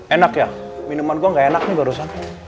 enak ya minuman gue gak enak nih barusan